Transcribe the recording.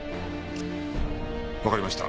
わかりました。